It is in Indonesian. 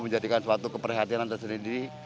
menjadikan suatu keprihatinan tersebut